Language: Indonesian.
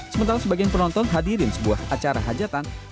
sementara sebagian penonton hadirin sebuah acara hajatan